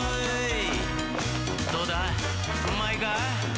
「どうだ？うまいか？」